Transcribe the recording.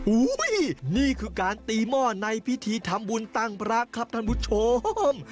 นี่คือการตีหม้อในพิธีทำบุญตั้งพระครับท่านผู้ชม